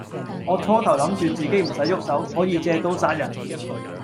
我初頭諗住自己唔使郁手，可以借刀殺人